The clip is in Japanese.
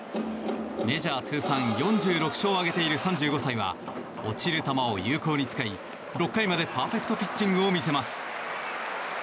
メジャー通算４６勝を挙げている３５歳は落ちる球を有効に使い６回までパーフェクトピッチングを見せます。